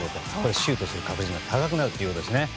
シュートする確率が高くなるんですね。